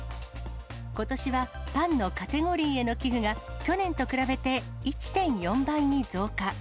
ことしは、パンのカテゴリーへの寄付が、去年と比べて１．４倍に増加。